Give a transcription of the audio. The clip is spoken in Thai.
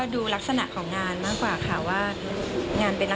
อาหารคงอีกสักพักนึงค่ะ